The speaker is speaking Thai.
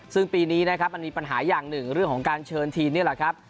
ซึ่งปีนี้นะครับมันมีปัญหาอย่างหนึ่งเรื่องของการเชิญทีมนี่แหละครับ